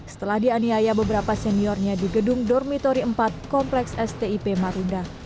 setelah dianiaya beberapa seniornya di gedung dormitori empat kompleks stip marunda